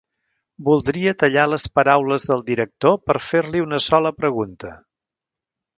Voldria tallar les paraules del director per fer-li una sola pregunta.